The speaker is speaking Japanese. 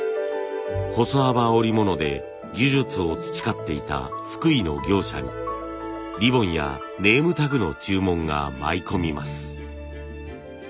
細幅織物で技術を培っていた福井の業者にリボンやネームタグの注文が舞い込みます。